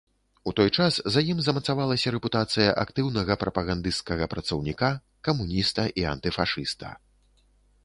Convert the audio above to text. У той час за ім замацавалася рэпутацыя актыўнага прапагандысцкага працаўніка, камуніста і антыфашыста.